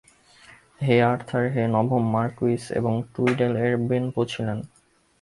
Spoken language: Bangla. তিনি আর্থার হে, নবম মার্কুইস অব টুইডেল-এর বোনপো ছিলেন।